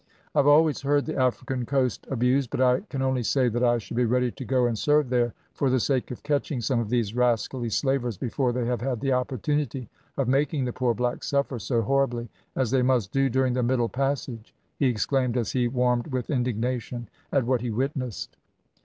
"I have always heard the African coast abused, but I can only say that I should be ready to go and serve there, for the sake of catching some of these rascally slavers before they have had the opportunity of making the poor blacks suffer so horribly, as they must do during the middle passage," he exclaimed, as he warmed with indignation at what he witnessed.